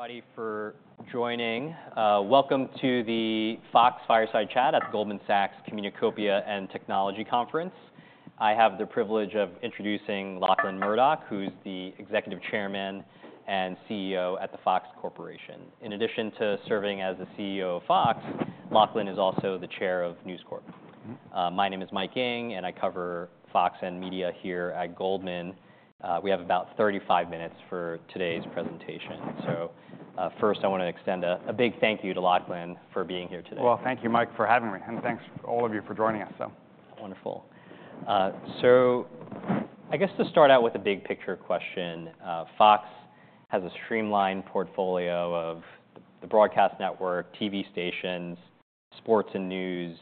Everybody for joining. Welcome to the Fox Fireside Chat at the Goldman Sachs Communacopia and Technology Conference. I have the privilege of introducing Lachlan Murdoch, who's the Executive Chairman and CEO at the Fox Corporation. In addition to serving as the CEO of Fox, Lachlan is also the chair of News Corp. My name is Mike Ng, and I cover Fox and media here at Goldman. We have about 35 minutes for today's presentation. So, first, I want to extend a big thank you to Lachlan for being here today. Thank you, Mike, for having me, and thanks all of you for joining us, so. Wonderful. So I guess to start out with a big picture question, Fox has a streamlined portfolio of the broadcast network, TV stations, sports and news,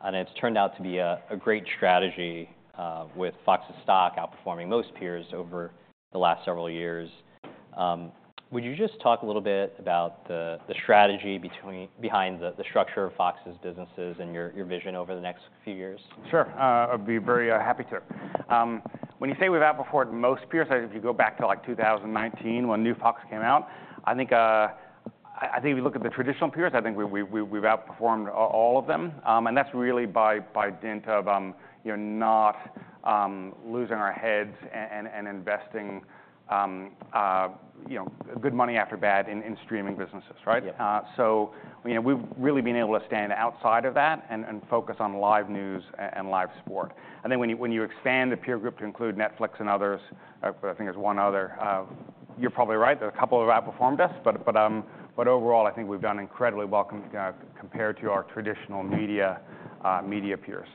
and it's turned out to be a great strategy, with Fox's stock outperforming most peers over the last several years. Would you just talk a little bit about the strategy behind the structure of Fox's businesses and your vision over the next few years? Sure. I'd be very happy to. When you say we've outperformed most peers, if you go back to, like, 2019, when new Fox came out, I think if you look at the traditional peers, I think we've outperformed all of them. And that's really by dint of you know, not losing our heads and investing you know, good money after bad in streaming businesses, right? Yeah. So, you know, we've really been able to stand outside of that and focus on live news and live sport. And then when you expand the peer group to include Netflix and others, I think there's one other, you're probably right, a couple have outperformed us, but overall, I think we've done incredibly well compared to our traditional media peers.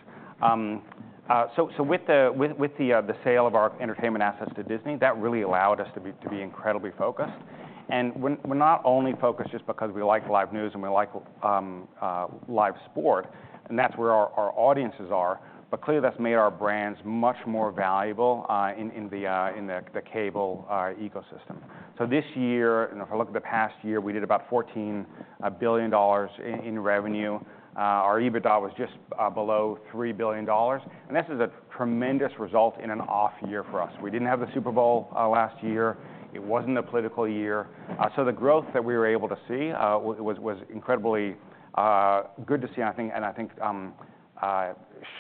So with the sale of our entertainment assets to Disney, that really allowed us to be incredibly focused. And we're not only focused just because we like live news and we like live sport, and that's where our audiences are, but clearly, that's made our brands much more valuable in the cable ecosystem. So this year, and if I look at the past year, we did about $14 billion in revenue. Our EBITDA was just below $3 billion, and this is a tremendous result in an off year for us. We didn't have the Super Bowl last year. It wasn't a political year. So the growth that we were able to see was incredibly good to see, and I think, and I think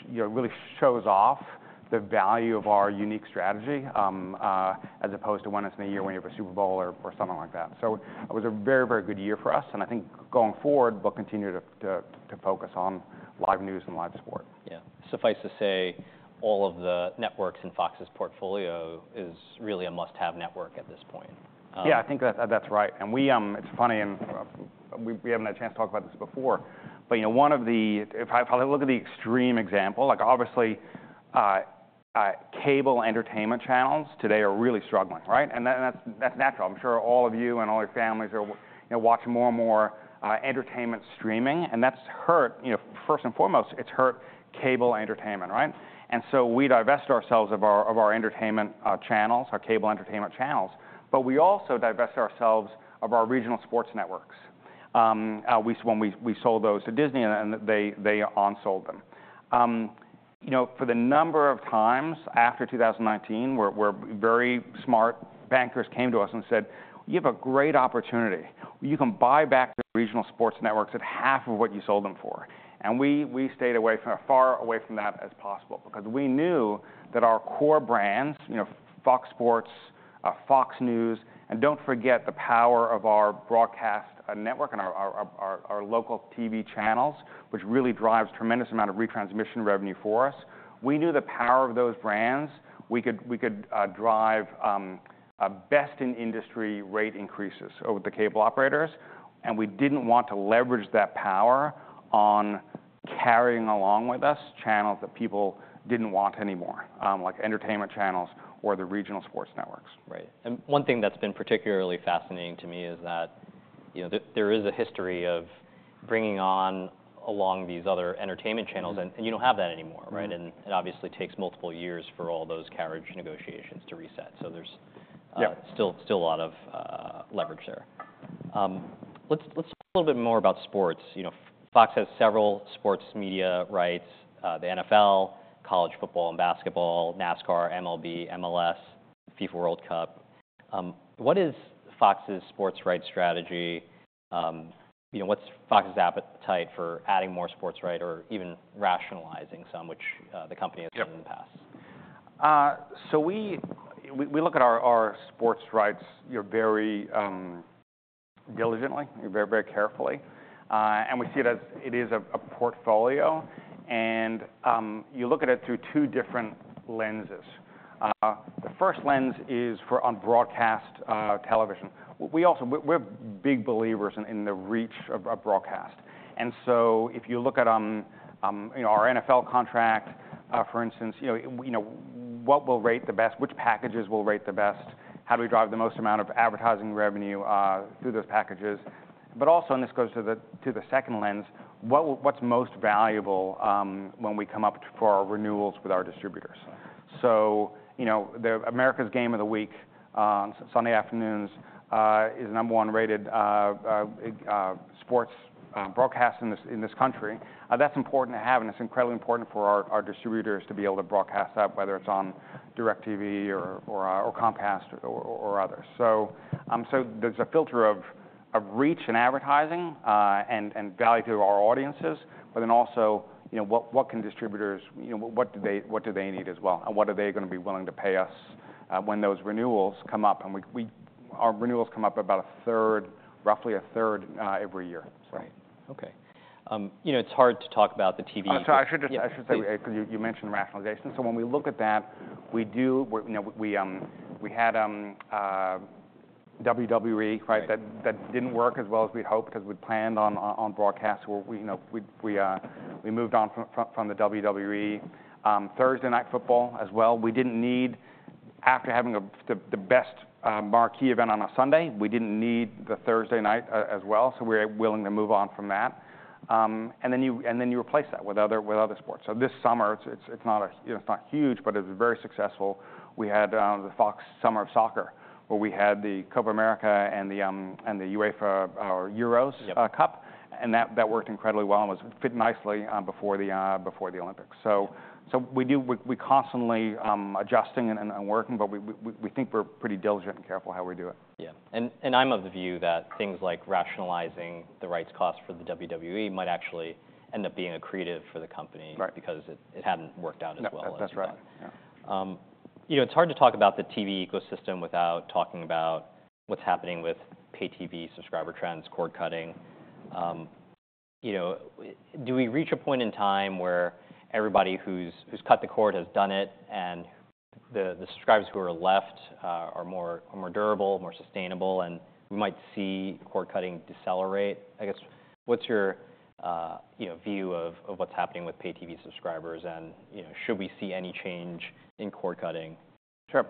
you know, really shows off the value of our unique strategy as opposed to when it's in a year when you have a Super Bowl or something like that. So it was a very, very good year for us, and I think going forward, we'll continue to focus on live news and live sport. Yeah. Suffice to say, all of the networks in Fox's portfolio is really a must-have network at this point. Yeah, I think that's right, and we... It's funny, and we haven't had a chance to talk about this before, but you know, one of the, if I probably look at the extreme example, like, obviously, cable entertainment channels today are really struggling, right, and that's natural. I'm sure all of you and all your families are, you know, watching more and more entertainment streaming, and that's hurt, you know, first and foremost, it's hurt cable entertainment, right, and so we divest ourselves of our entertainment channels, our cable entertainment channels, but we also divest ourselves of our regional sports networks, when we sold those to Disney, and they on sold them. You know, for the number of times after 2019, where very smart bankers came to us and said, "You have a great opportunity. You can buy back the regional sports networks at half of what you sold them for." And we stayed far away from that as possible because we knew that our core brands, you know, Fox Sports, Fox News, and don't forget the power of our broadcast network and our local TV channels, which really drives tremendous amount of retransmission revenue for us. We knew the power of those brands. We could drive a best-in-industry rate increases over the cable operators, and we didn't want to leverage that power on carrying along with us channels that people didn't want anymore, like entertainment channels or the regional sports networks. Right. And one thing that's been particularly fascinating to me is that, you know, there is a history of bringing on along these other entertainment channels- Mm-hmm. and you don't have that anymore, right? Mm-hmm. And it obviously takes multiple years for all those carriage negotiations to reset. So there's- Yeah... still a lot of leverage there. Let's talk a little bit more about sports. You know, Fox has several sports media rights: the NFL, College Football and Basketball, NASCAR, MLB, MLS, FIFA World Cup. What is Fox's sports rights strategy? You know, what's Fox's appetite for adding more sports rights or even rationalizing some which the company- Yeah - has done in the past? So we look at our sports rights, you know, very diligently and very, very carefully, and we see it as it is a portfolio, and you look at it through two different lenses. The first lens is for on broadcast television. We're big believers in the reach of broadcast. And so if you look at, you know, our NFL contract, for instance, you know, what will rate the best, which packages will rate the best? How do we drive the most amount of advertising revenue through those packages? But also, and this goes to the second lens, what's most valuable when we come up for our renewals with our distributors? So, you know, the America's Game of the Week on Sunday afternoons is the number one rated sports broadcast in this country. That's important to have, and it's incredibly important for our distributors to be able to broadcast that, whether it's on DIRECTV or Comcast or others. So there's a filter of reach and advertising and value to our audiences, but then also, you know, what can distributors, you know, what do they need as well? And what are they gonna be willing to pay us, when those renewals come up? Our renewals come up about a third, roughly a third, every year. So- Right. Okay. You know, it's hard to talk about the TV- Oh, sorry, I should just- Yeah, please. I should say, because you mentioned rationalization. So when we look at that, you know, we had WWE- Right... right, that didn't work as well as we'd hoped, because we'd planned on broadcast, where we, you know, we moved on from the WWE. Thursday Night Football as well, we didn't need, after having the best marquee event on a Sunday, we didn't need the Thursday night as well, so we were willing to move on from that. And then you replace that with other sports. So this summer, it's not, you know, huge, but it's very successful. We had the Fox Summer of Soccer, where we had the Copa América and the UEFA, or Euros- Yep... Cup, and that worked incredibly well and was fit nicely before the Olympics. So we do, we're constantly adjusting and working, but we think we're pretty diligent and careful how we do it. Yeah, and I'm of the view that things like rationalizing the rights cost for the WWE might actually end up being accretive for the company- Right... because it hadn't worked out as well as you thought. No, that's right. Yeah. You know, it's hard to talk about the TV ecosystem without talking about what's happening with pay TV subscriber trends, cord cutting. You know, do we reach a point in time where everybody who's cut the cord has done it, and the subscribers who are left are more durable, more sustainable, and we might see cord cutting decelerate? I guess, what's your, you know, view of what's happening with pay TV subscribers and, you know, should we see any change in cord cutting? Sure.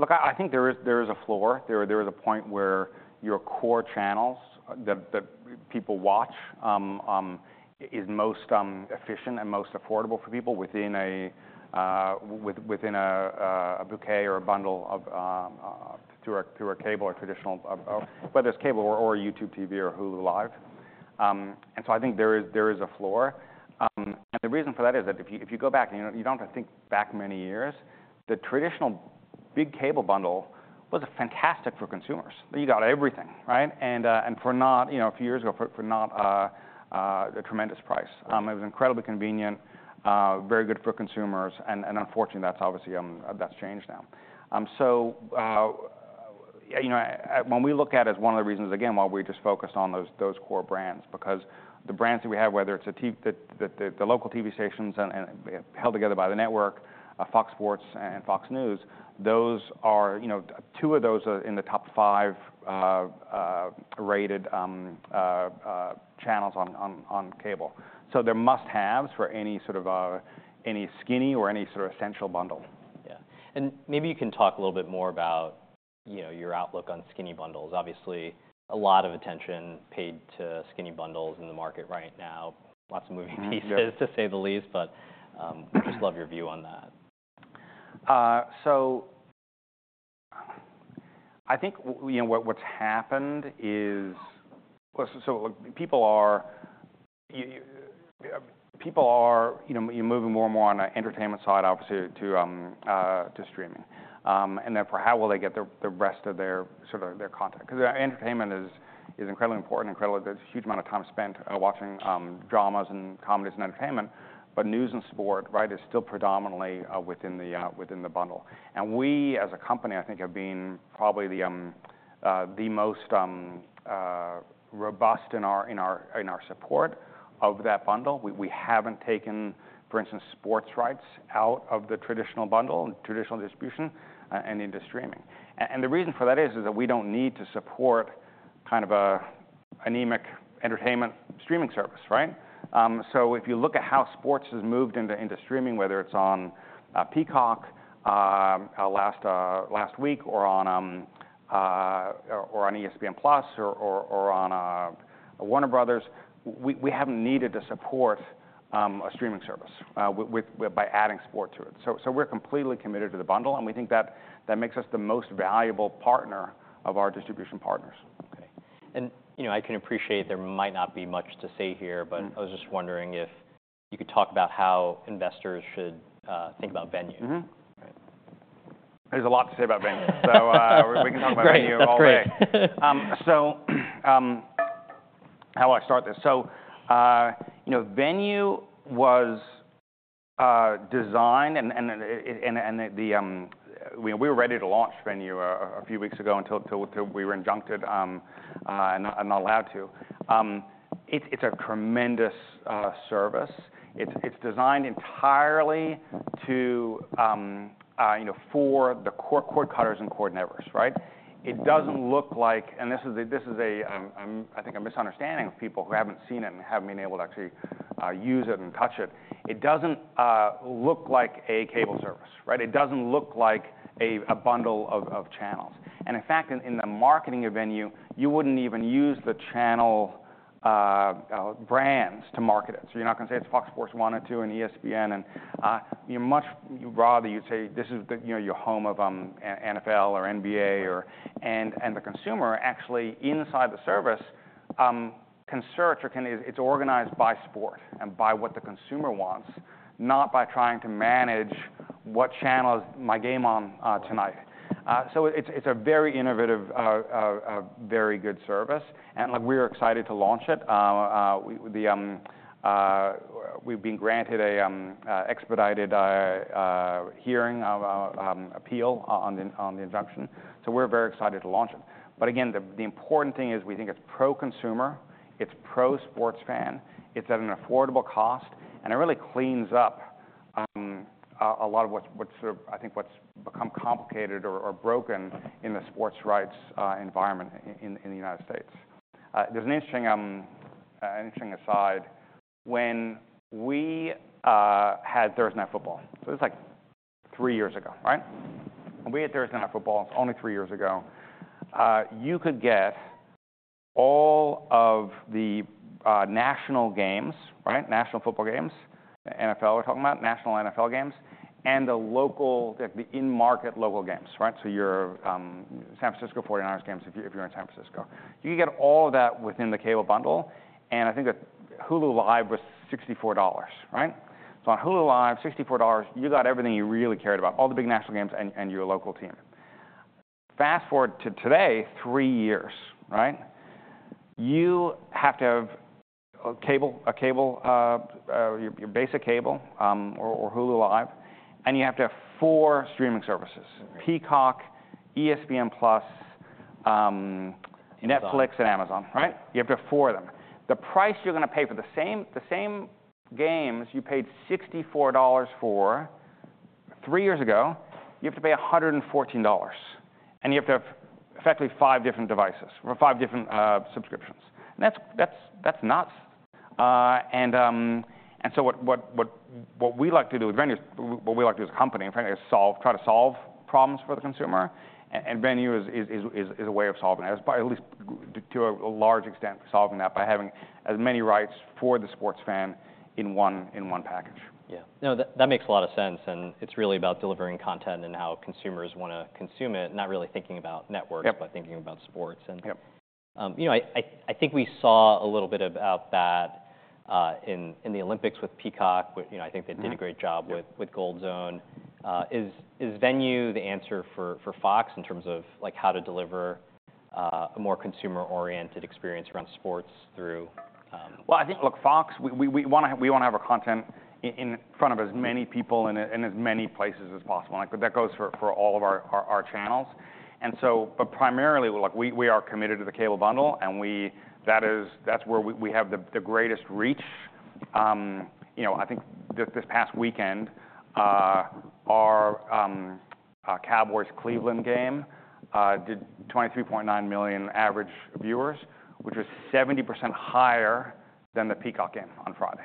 Look, I think there is a floor. There is a point where your core channels that people watch is most efficient and most affordable for people within a bouquet or a bundle through a cable or traditional, whether it's cable or a YouTube TV or Hulu Live. And so I think there is a floor. And the reason for that is that if you go back, you know, you don't have to think back many years, the traditional big cable bundle was fantastic for consumers. You got everything, right? And, you know, a few years ago, for not a tremendous price. It was incredibly convenient, very good for consumers, and unfortunately, that's obviously changed now. So, you know, when we look at it as one of the reasons, again, why we're just focused on those core brands, because the brands that we have, whether it's the local TV stations and, you know, held together by the network, Fox Sports and Fox News, those are, you know, two of those are in the top five rated channels on cable. So they're must-haves for any sort of skinny or any sort of essential bundle. Yeah. And maybe you can talk a little bit more about, you know, your outlook on skinny bundles. Obviously, a lot of attention paid to skinny bundles in the market right now. Lots of moving pieces- Yeah... to say the least, but, we'd just love your view on that. So I think what's happened is people are, you know, you're moving more and more on the entertainment side, obviously, to streaming. And therefore, how will they get the rest of their sort of content? Because entertainment is incredibly important. Incredibly, there's a huge amount of time spent watching dramas and comedies and entertainment, but news and sport, right, is still predominantly within the bundle. And we, as a company, I think have been probably the most robust in our support of that bundle. We haven't taken, for instance, sports rights out of the traditional bundle and traditional distribution and into streaming. The reason for that is that we don't need to support kind of an anemic entertainment streaming service, right? So if you look at how sports has moved into streaming, whether it's on Peacock last week or on ESPN+ or on Warner Bros., we haven't needed to support a streaming service by adding sport to it. So we're completely committed to the bundle, and we think that makes us the most valuable partner of our distribution partners. Okay, and you know, I can appreciate there might not be much to say here. Mm... but I was just wondering if you could talk about how investors should think about Venu? Mm-hmm. Right. There's a lot to say about Venu. So, we can talk about Venu all day. Great. Great. So, how do I start this? So, you know, Venu was designed and the... We were ready to launch Venu a few weeks ago until we were enjoined and not allowed to. It's a tremendous service. It's designed entirely to, you know, for the core cord cutters and cord nevers, right? It doesn't look like, and this is, I think, a misunderstanding of people who haven't seen it and haven't been able to actually use it and touch it. It doesn't look like a cable service, right? It doesn't look like a bundle of channels. And in fact, in the marketing of Venu, you wouldn't even use the channel brands to market it. So you're not gonna say it's Fox Sports one or two and ESPN, and you much rather you'd say, "This is the, you know, your home of NFL or NBA or..." And the consumer actually inside the service can search or it's organized by sport and by what the consumer wants, not by trying to manage what channel is my game on tonight. So it's a very innovative a very good service, and look, we're excited to launch it. We've been granted a expedited hearing appeal on the injunction, so we're very excited to launch it. But again, the important thing is we think it's pro-consumer, it's pro-sports fan, it's at an affordable cost, and it really cleans up a lot of what's sort of, I think what's become complicated or broken in the sports rights environment in the United States. There's an interesting aside. When we had Thursday Night Football, so this was like three years ago, right? When we had Thursday Night Football, only three years ago, you could get all of the national games, right, national football games, NFL we're talking about, national NFL games, and the in-market local games, right? So your San Francisco 49ers games, if you're in San Francisco. You could get all of that within the cable bundle, and I think that Hulu Live was $64, right? So on Hulu Live, $64, you got everything you really cared about, all the big national games and your local team. Fast-forward to today, three years, right? You have to have a cable, your basic cable, or Hulu Live, and you have to have four streaming services: Peacock, ESPN+, Amazon. Netflix and Amazon, right? You have to have four of them. The price you're gonna pay for the same, the same games you paid $64 for three years ago, you have to pay $114, and you have to have effectively five different devices or five different subscriptions, and that's nuts. And so what we like to do with Venu, what we like to do as a company, and frankly, is try to solve problems for the consumer, and Venu is a way of solving that. It's by at least, to a large extent, solving that by having as many rights for the sports fan in one package. Yeah. No, that, that makes a lot of sense, and it's really about delivering content and how consumers wanna consume it, not really thinking about networks- Yep... but thinking about sports. Yep. You know, I think we saw a little bit about that in the Olympics with Peacock. With... You know, I think- Mm-hmm... they did a great job- Yep... with Gold Zone. Is Venu the answer for Fox in terms of, like, how to deliver a more consumer-oriented experience around sports through- I think, look, Fox, we wanna have our content in front of as many people- Mm-hmm... and in as many places as possible, and that goes for all of our channels. But primarily, look, we are committed to the cable bundle, and that is that's where we have the greatest reach. You know, I think this past weekend, our Cowboys-Cleveland game did 23.9 million average viewers, which was 70% higher than the Peacock game on Friday.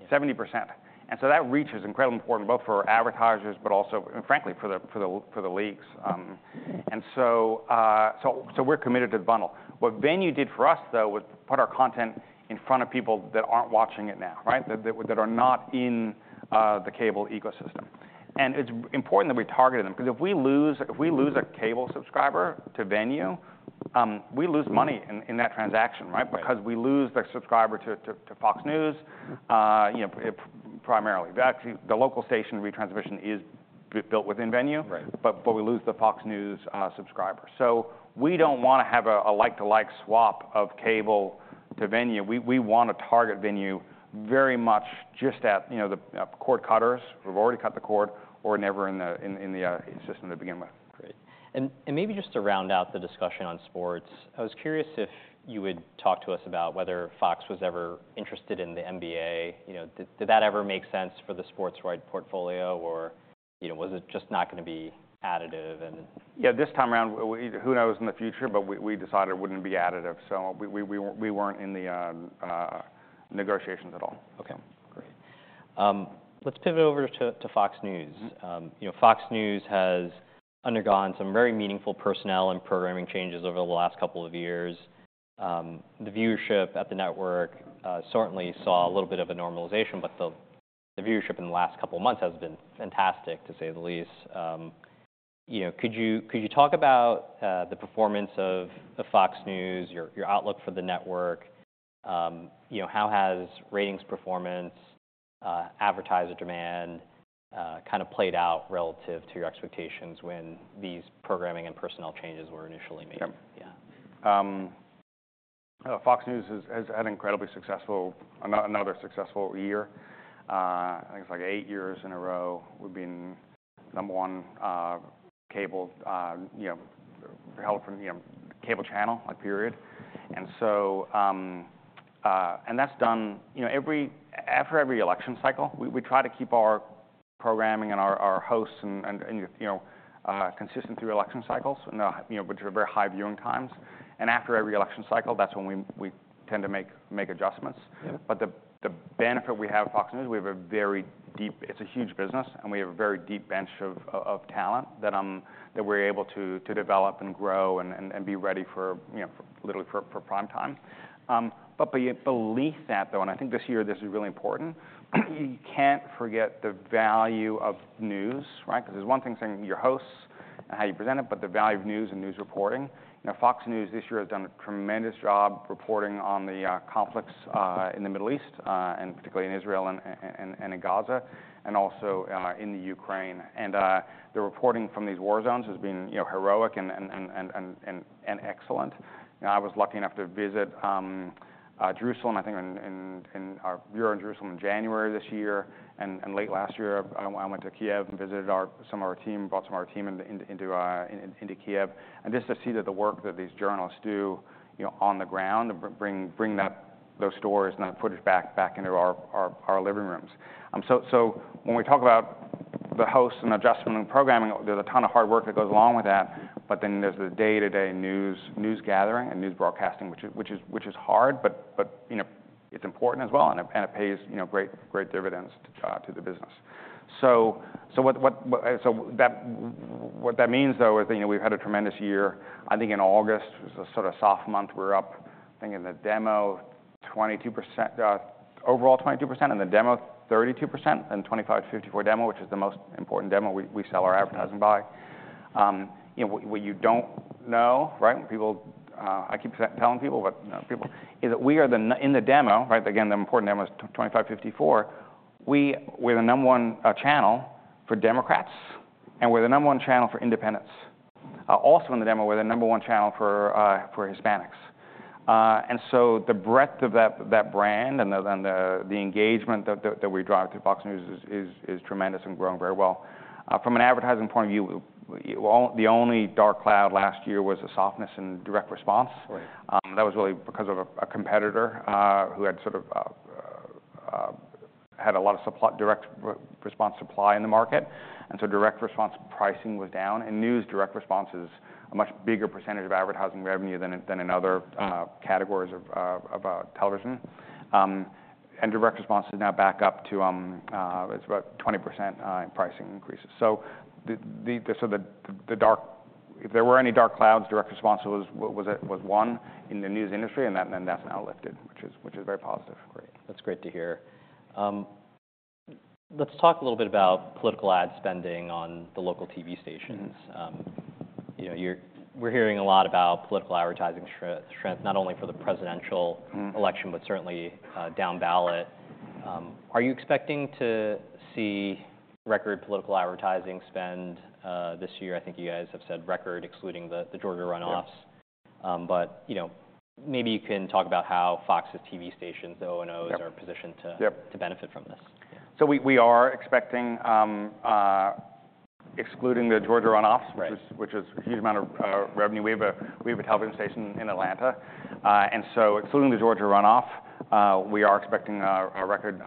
Yeah. 70%, and so that reach is incredibly important, both for advertisers, but also, and frankly, for the leagues. And so we're committed to the bundle. What Venu did for us, though, was put our content in front of people that aren't watching it now, right? That are not in the cable ecosystem. And it's important that we targeted them, 'cause if we lose a cable subscriber to Venu, we lose money in that transaction, right? Right. Because we lose the subscriber to Fox News, you know, if primarily. That's the local station retransmission is built within Venu Right... but we lose the Fox News subscriber. So we don't wanna have a like-for-like swap of cable to Venu. We want to target Venu very much just at, you know, the cord cutters, who've already cut the cord or never in the system to begin with. Great, and maybe just to round out the discussion on sports, I was curious if you would talk to us about whether Fox was ever interested in the NBA. You know, did that ever make sense for the sports rights portfolio, or, you know, was it just not gonna be additive and- Yeah, this time around, we... Who knows in the future? But we decided it wouldn't be additive, so we weren't in the negotiations at all. Okay, great. Let's pivot over to Fox News. Mm-hmm. You know, Fox News has undergone some very meaningful personnel and programming changes over the last couple of years. The viewership at the network certainly saw a little bit of a normalization, but the viewership in the last couple of months has been fantastic, to say the least. You know, could you talk about the performance of Fox News, your outlook for the network? You know, how has ratings performance, advertiser demand kind of played out relative to your expectations when these programming and personnel changes were initially made? Sure. Yeah. Fox News has had another incredibly successful year. I think it's like eight years in a row, we've been number one in cable news, you know, the cable news channel, like, period. So, that's done. You know, after every election cycle, we try to keep our programming and our hosts and you know consistent through election cycles, and you know, which are very high viewing times. After every election cycle, that's when we tend to make adjustments. Yeah. But the benefit we have at Fox News. We have a very deep... It's a huge business, and we have a very deep bench of talent that we're able to develop and grow and be ready for, you know, literally for prime time. But beneath that, though, and I think this year this is really important, you can't forget the value of news, right? 'Cause there's one thing saying your hosts-... and how you present it, but the value of news and news reporting. Now, Fox News this year has done a tremendous job reporting on the conflicts in the Middle East, and particularly in Israel and in Gaza, and also in the Ukraine. The reporting from these war zones has been, you know, heroic and excellent. You know, I was lucky enough to visit Jerusalem. I think we were in Jerusalem in January this year, and late last year I went to Kyiv and visited some of our team, brought some of our team into Kyiv, and just to see that the work that these journalists do, you know, on the ground, bring those stories and that footage back into our living rooms. So, when we talk about the host and adjustment and programming, there's a ton of hard work that goes along with that, but then there's the day-to-day news, news gathering and news broadcasting, which is hard, but you know, it's important as well, and it pays, you know, great dividends to the business. So what that means, though, is you know, we've had a tremendous year. I think in August, it was a sort of soft month. We were up, I think in the demo, 22%, overall, 22%, in the demo, 32%, and 25-54 demo, which is the most important demo we sell our advertising by. You know, what you don't know, right? People, I keep telling people, but you know, people is that we are the number one in the demo, right? Again, the important demo is 25-54. We're the number one channel for Democrats, and we're the number one channel for independents. Also in the demo, we're the number one channel for Hispanics. And so the breadth of that brand and the engagement that we drive through Fox News is tremendous and growing very well. From an advertising point of view, the only dark cloud last year was the softness in direct response. Right. That was really because of a competitor who had sort of had a lot of supply- direct response supply in the market, and so direct response pricing was down. And news, direct response is a much bigger percentage of advertising revenue than in other categories of television. And direct response is now back up to it's about 20% in pricing increases. So the dark... If there were any dark clouds, direct response was, what was it? Was one in the news industry, and that's now lifted, which is very positive. Great. That's great to hear. Let's talk a little bit about political ad spending on the local TV stations. Mm-hmm. You know, we're hearing a lot about political advertising strength, not only for the presidential- Mm-hmm... election, but certainly down ballot. Are you expecting to see record political advertising spend this year? I think you guys have said record, excluding the Georgia runoffs. Yeah. But, you know, maybe you can talk about how Fox's TV stations, the O&Os- Yep... are positioned to- Yep... to benefit from this. We are expecting, excluding the Georgia runoffs. Right... which is a huge amount of revenue. We have a television station in Atlanta, and so excluding the Georgia runoff, we are expecting a record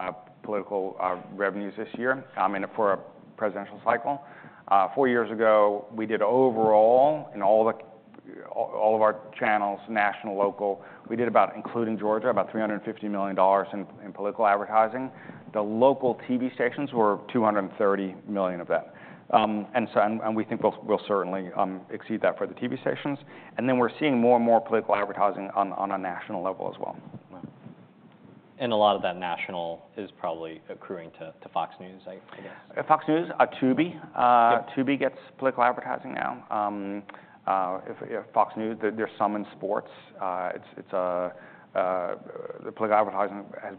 political revenues this year, and for a presidential cycle. Four years ago, we did overall, in all of our channels, national, local, we did about, including Georgia, about $350 million in political advertising. The local TV stations were $230 million of that, and so we think we'll certainly exceed that for the TV stations. Then we're seeing more and more political advertising on a national level as well. Wow. And a lot of that national is probably accruing to Fox News, I guess. Fox News, Tubi- Yep... Tubi gets political advertising now. If Fox News... There's some in sports. It's the political advertising has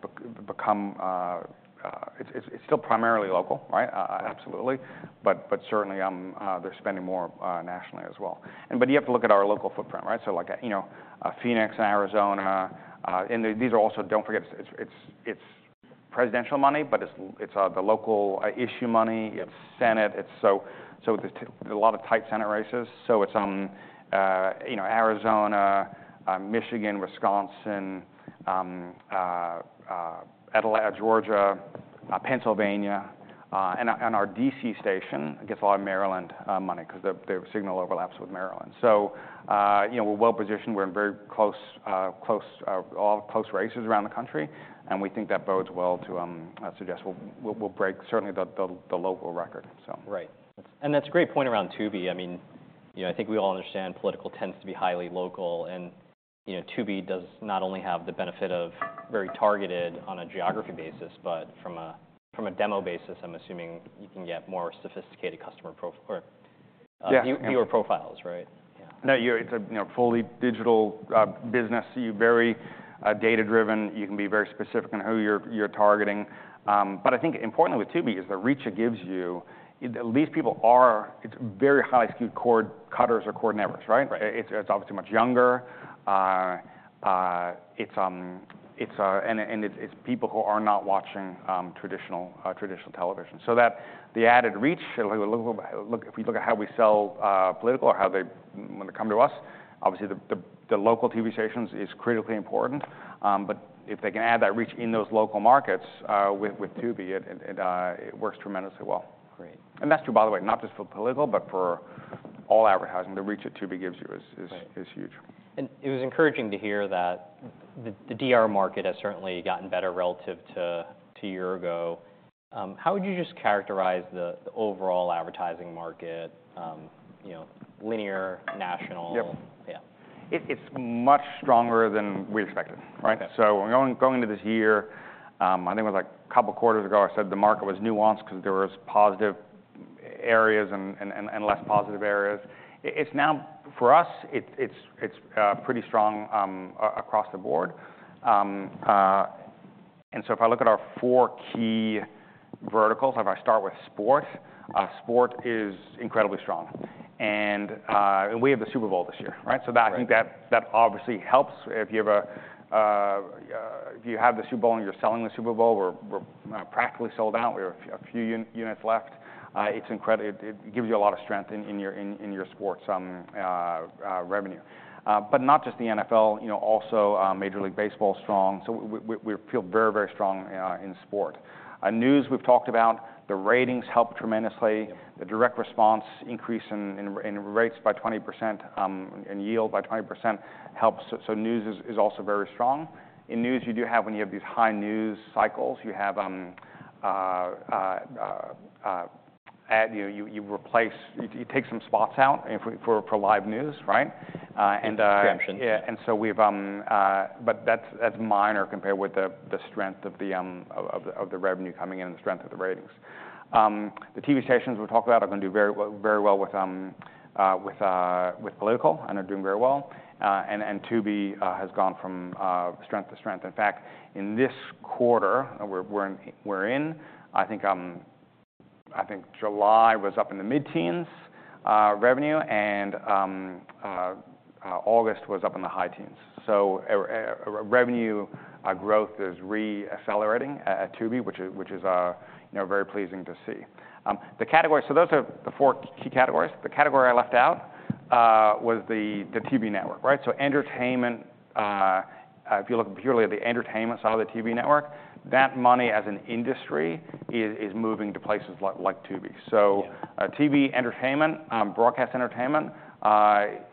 become. It's still primarily local, right? Absolutely. But certainly, they're spending more nationally as well. And but you have to look at our local footprint, right? So like, you know, Phoenix and Arizona. And these are also, don't forget, it's presidential money, but it's the local issue money. It's Senate. It's so there's a lot of tight Senate races, so it's you know Arizona, Michigan, Wisconsin, Atlanta, Georgia, Pennsylvania, and our DC station gets a lot of Maryland money because the signal overlaps with Maryland. So you know, we're well positioned. We're in very close, all close races around the country, and we think that bodes well to, I suggest we'll break certainly the local record, so. Right. And that's a great point around Tubi. I mean, you know, I think we all understand politics tends to be highly local, and, you know, Tubi does not only have the benefit of very targeted on a geography basis, but from a demo basis, I'm assuming you can get more sophisticated customer profile or Yeah... viewer profiles, right? Yeah. Now, it's a, you know, fully digital business, so you're very data-driven. You can be very specific on who you're targeting. But I think importantly with Tubi is the reach it gives you. These people are. It's very highly skilled cord cutters or cord nevers, right? Right. It's obviously much younger. It's people who are not watching traditional television. So that the added reach, if we look at how we sell political or how they, when they come to us, obviously the local TV stations is critically important. But if they can add that reach in those local markets with Tubi, it works tremendously well. Great. That's true, by the way, not just for political, but for all advertising. The reach that Tubi gives you is- Right... is huge. It was encouraging to hear that the DR market has certainly gotten better relative to a year ago. How would you just characterize the overall advertising market, you know, linear, national? Yep. Yeah.... It's much stronger than we expected, right? Okay. Going into this year, I think it was like a couple of quarters ago, I said the market was nuanced 'cause there was positive areas and less positive areas. It's now. For us, it's pretty strong across the board, and so if I look at our four key verticals, if I start with sports, sports is incredibly strong, and we have the Super Bowl this year, right? Right. So that, I think that, that obviously helps. If you have the Super Bowl and you're selling the Super Bowl, we're practically sold out. We have a few units left. It's incredible. It gives you a lot of strength in your sports revenue. But not just the NFL, you know, also Major League Baseball is strong, so we feel very, very strong in sports. News, we've talked about, the ratings helped tremendously. The direct response increase in rates by 20%, and yield by 20% helped. So news is also very strong. In news, you do have, when you have these high news cycles, you have you take some spots out and for live news, right? And Preemption. Yeah, and so we've... But that's, that's minor compared with the, the strength of the revenue coming in and the strength of the ratings. The TV stations we've talked about are going to do very well, very well with political and are doing very well. And Tubi has gone from strength to strength. In fact, in this quarter we're in, I think, I think July was up in the mid-teens, revenue, and August was up in the high teens. So, revenue growth is re-accelerating at Tubi, which is, you know, very pleasing to see. The categories - so those are the four key categories. The category I left out was the TV network, right? So entertainment, if you look purely at the entertainment side of the TV network, that money as an industry is moving to places like Tubi. Yeah. TV entertainment, broadcast entertainment,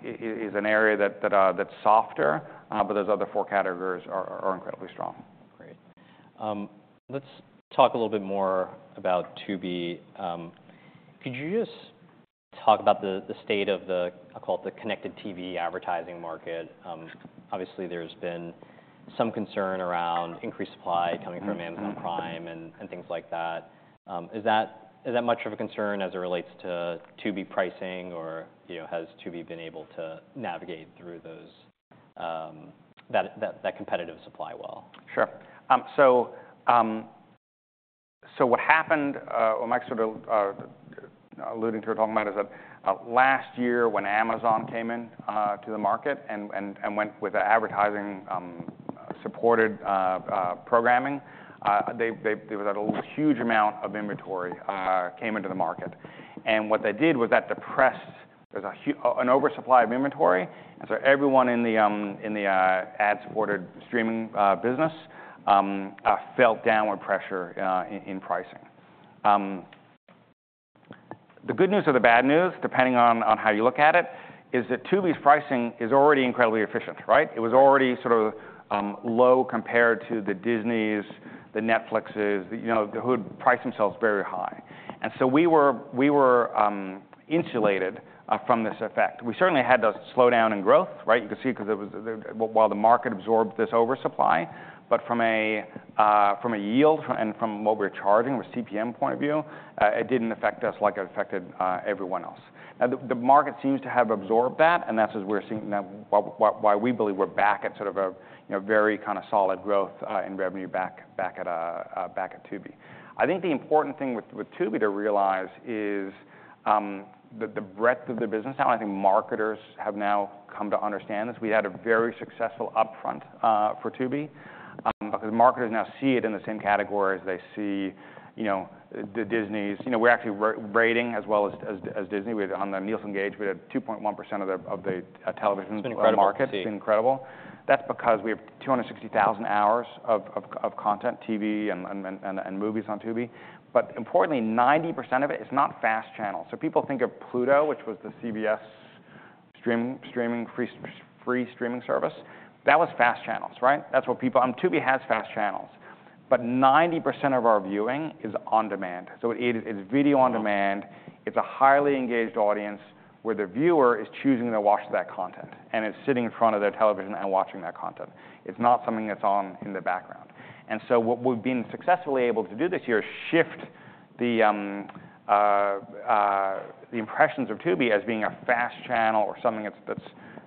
is an area that's softer, but those other four categories are incredibly strong. Great. Let's talk a little bit more about Tubi. Could you just talk about the state of the, I'll call it the connected TV advertising market? Obviously, there's been some concern around increased supply coming from. Mm-hmm, mm-hmm... Amazon Prime and things like that. Is that much of a concern as it relates to Tubi pricing, or, you know, has Tubi been able to navigate through those, that competitive supply well? Sure. So, so what happened, what Mike sort of alluding to or talking about is that, last year, when Amazon came in to the market and, and, and went with the advertising supported programming, they, there was a huge amount of inventory came into the market. And what they did was that depressed. There was an oversupply of inventory, and so everyone in the ad-supported streaming business felt downward pressure in pricing. The good news or the bad news, depending on how you look at it, is that Tubi's pricing is already incredibly efficient, right? It was already sort of low compared to the Disneys, the Netflixes, you know, who had priced themselves very high. And so we were insulated from this effect. We certainly had a slowdown in growth, right? You could see, because while the market absorbed this oversupply, but from a yield and from what we're charging from a CPM point of view, it didn't affect us like it affected everyone else. Now, the market seems to have absorbed that, and that's as we're seeing now why we believe we're back at sort of a, you know, very kind of solid growth in revenue back at Tubi. I think the important thing with Tubi to realize is, the breadth of the business. Now, I think marketers have now come to understand this. We had a very successful upfront for Tubi because marketers now see it in the same category as they see, you know, the Disneys. You know, we're actually rating as well as Disney. We had on the Nielsen Gauge, we had 2.1% of the television- It's incredible to see. - market. It's incredible. That's because we have 260 hours of content, TV and movies on Tubi. But importantly, 90% of it is not FAST channels. So people think of Pluto, which was the CBS streaming, free streaming service. That was FAST channels, right? That's what people... Tubi has FAST channels, but 90% of our viewing is on demand. So it, it's video on demand. Wow. It's a highly engaged audience, where the viewer is choosing to watch that content, and it's sitting in front of their television and watching that content. It's not something that's on in the background. And so what we've been successfully able to do this year is shift the impressions of Tubi as being a FAST channel or something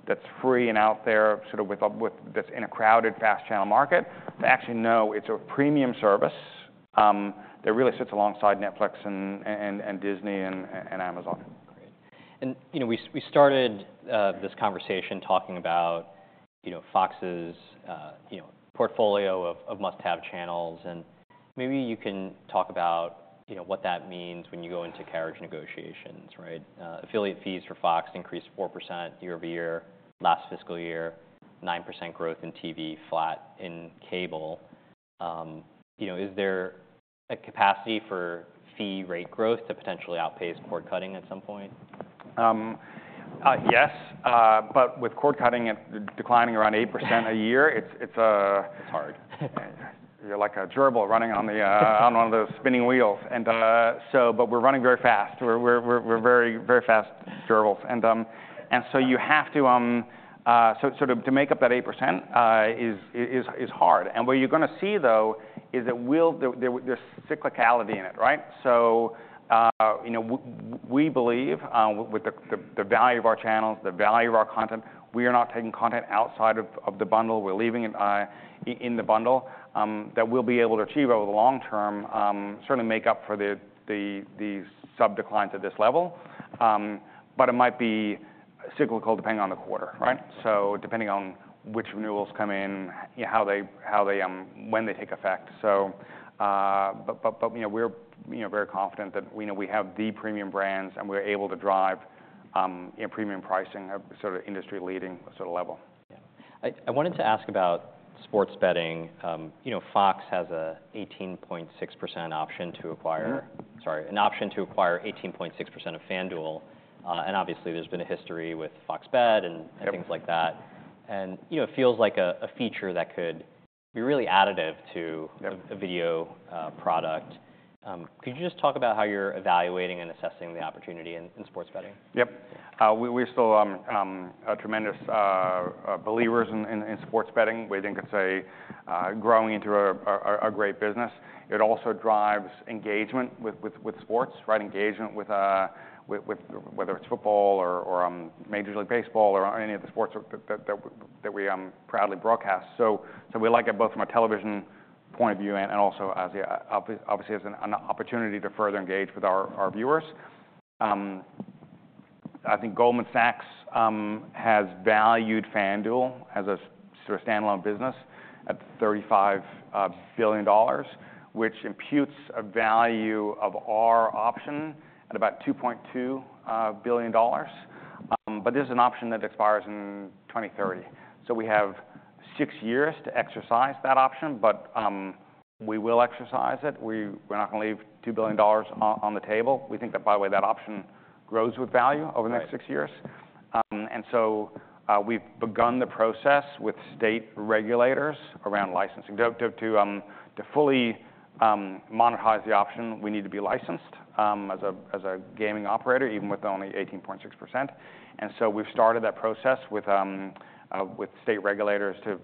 that's free and out there, sort of that's in a crowded FASF channel market. But actually, no, it's a premium service that really sits alongside Netflix and Disney and Amazon. Great. And, you know, we started this conversation talking about, you know, Fox's, you know, portfolio of must-have channels, and maybe you can talk about, you know, what that means when you go into carriage negotiations, right? Affiliate fees for Fox increased 4% year-over-year. Last fiscal year, 9% growth in TV, flat in cable. You know, is there a capacity for fee rate growth to potentially outpace cord-cutting at some point? ... Yes, but with cord cutting and declining around 8% a year, it's hard. You're like a gerbil running on one of those spinning wheels. And so but we're running very fast. We're very fast gerbils. And so you have to so to make up that 8%, is hard. And what you're gonna see, though, is that we'll. There's cyclicality in it, right? So you know we believe with the value of our channels, the value of our content, we are not taking content outside of the bundle. We're leaving it in the bundle that we'll be able to achieve over the long term, sort of make up for the sub declines at this level. But it might be cyclical depending on the quarter, right? So depending on which renewals come in, you know, how they when they take effect. So, but, you know, we're, you know, very confident that we know we have the premium brands, and we're able to drive premium pricing at sort of industry-leading sort of level. Yeah. I wanted to ask about sports betting. You know, Fox has a 18.6% option to acquire- Mm-hmm. Sorry, an option to acquire 18.6% of FanDuel, and obviously, there's been a history with Fox Bet and- Yep... things like that, and you know, it feels like a feature that could be really additive to- Yep... a video product. Could you just talk about how you're evaluating and assessing the opportunity in sports betting? Yep. We're still a tremendous believers in sports betting. We think it's growing into a great business. It also drives engagement with sports, right? Engagement with whether it's football or Major League Baseball or any of the sports that we proudly broadcast. We like it both from a television point of view and also as obviously as an opportunity to further engage with our viewers. I think Goldman Sachs has valued FanDuel as a sort of standalone business at $35 billion, which imputes a value of our option at about $2.2 billion. But this is an option that expires in 2030. So we have six years to exercise that option, but we will exercise it. We're not gonna leave $2 billion on the table. We think that, by the way, that option grows with value- Right... over the next six years. And so, we've begun the process with state regulators around licensing. To fully monetize the option, we need to be licensed as a gaming operator, even with only 18.6%. And so we've started that process with state regulators to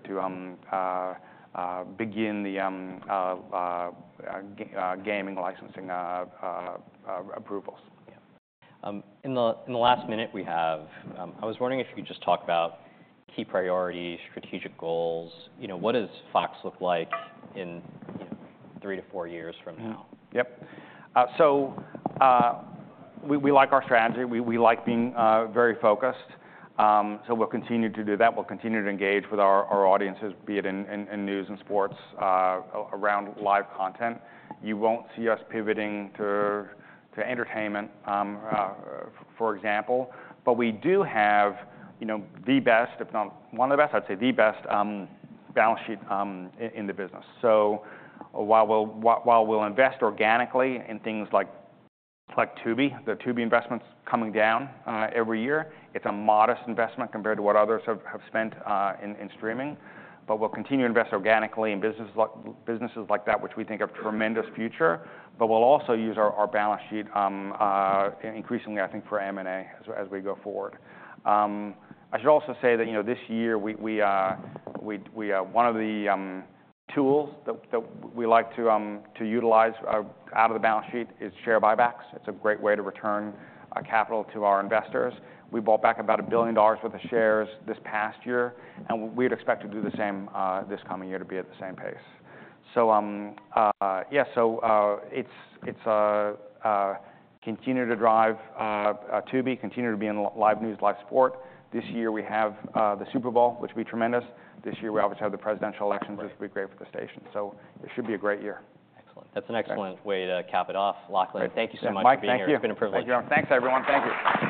begin the gaming licensing approvals. In the last minute we have, I was wondering if you could just talk about key priorities, strategic goals. You know, what does Fox look like in three to four years from now? Yep, so we like our strategy. We like being very focused, so we'll continue to do that. We'll continue to engage with our audiences, be it in news and sports around live content. You won't see us pivoting to entertainment, for example, but we do have, you know, the best, if not one of the best, I'd say the best, balance sheet in the business, so while we'll invest organically in things like Tubi, the Tubi investment's coming down every year. It's a modest investment compared to what others have spent in streaming, but we'll continue to invest organically in businesses like that, which we think have tremendous future. But we'll also use our balance sheet increasingly, I think, for M&A as we go forward. I should also say that, you know, this year, one of the tools that we like to utilize out of the balance sheet is share buybacks. It's a great way to return capital to our investors. We bought back about $1 billion worth of shares this past year, and we'd expect to do the same this coming year, to be at the same pace. So, yeah, so, it's continue to drive Tubi, continue to be in live news, live sport. This year, we have the Super Bowl, which will be tremendous. This year, we obviously have the presidential elections- Exactly. -which will be great for the station. So it should be a great year. Excellent. That's an excellent way to cap it off. Great. Lachlan, thank you so much for being here. Mike, thank you. It's been a privilege. Thanks, everyone. Thank you.